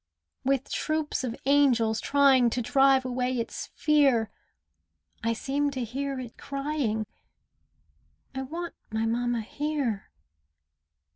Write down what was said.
With troops of angels trying To drive away its fear, I seem to hear it crying, "I want my mamma here."